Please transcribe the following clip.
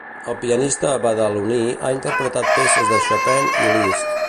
El pianista badaloní ha interpretat peces de Chopin i Liszt.